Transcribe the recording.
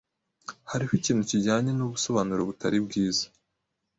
Hariho ikintu kijyanye nubu busobanuro butari bwiza.